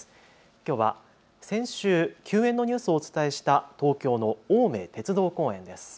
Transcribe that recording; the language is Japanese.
きょうは先週、休園のニュースをお伝えした東京の青梅鉄道公園です。